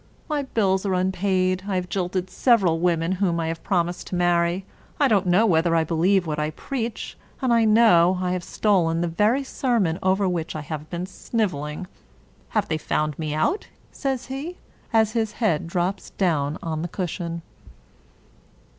My bills are unpaid. I have jilted several women whom I have promised to marry. I don't know whether I believe what I preach, and I know I have stolen the very sermon over which I have been sniveling. Have they found me out ?" says he, as his head drops down on the cushion.